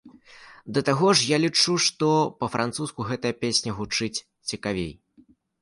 Да таго ж, я лічу, што па-французску гэтая песня гучыць цікавей.